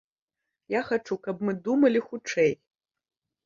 Я хачу, каб мы думалі хутчэй.